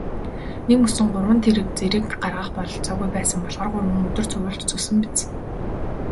Нэгмөсөн гурван тэрэг зэрэг гаргах бололцоогүй байсан болохоор гурван өдөр цувуулж зөөсөн биз.